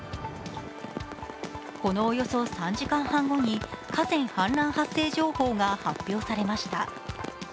このおよそ３時間半後に河川氾濫発生情報が発表されました。